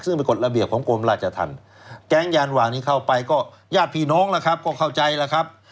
ซึ่งเป็นกฎระเบียบของกรมราชทันแก๊งยานว่างนี้เข้าไปก็ญาติพี่น้องล่ะครับ